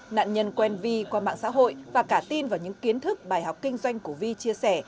nạn nhân quen vi qua mạng xã hội và cả tin vào những kiến thức bài học kinh doanh của vi chia sẻ